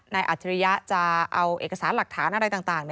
อัจฉริยะจะเอาเอกสารหลักฐานอะไรต่าง